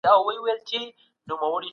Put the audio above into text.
بهرنۍ تګلاره یوازې د سیاسي خبرو نه ده.